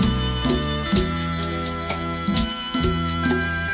อินโทรเพลงที่๗มูลค่า๒๐๐๐๐๐บาทครับ